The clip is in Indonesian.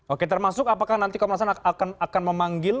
oke termasuk apakah nanti komnas ham akan memanggil